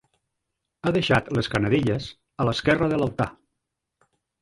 Ha deixat les canadelles a l'esquerra de l'altar.